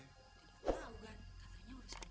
tidak tahu kan katanya urusan